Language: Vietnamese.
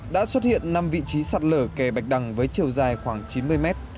đã xuất hiện năm vị trí sạt lở kè bạch đằng với chiều dài khoảng chín mươi mét